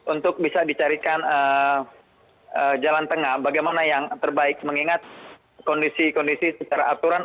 untuk bisa dicarikan jalan tengah bagaimana yang terbaik mengingat kondisi kondisi secara aturan